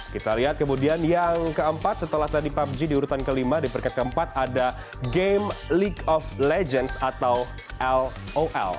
kita lihat kemudian yang keempat setelah tadi pubg diurutan kelima di peringkat keempat ada game league of legends atau lol